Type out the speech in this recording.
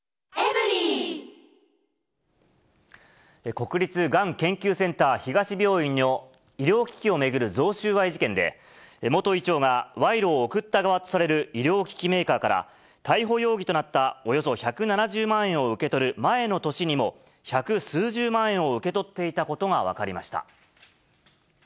国立がん研究センター東病院の医療機器を巡る贈収賄事件で、元医長が賄賂を贈った側とされる医療機器メーカーから、逮捕容疑となったおよそ１７０万円を受け取る前の年にも、百数十万円を受け取っていたことが分かりました。